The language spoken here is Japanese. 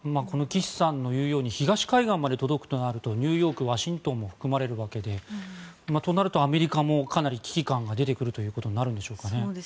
この岸さんの言うように東海岸まで届くとなるとニューヨーク、ワシントンも含まれるわけでとなると、アメリカもかなり危機感が出てくるということになるんでしょうか。